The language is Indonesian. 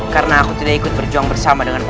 tapi aku masih tidak enak hati ibunda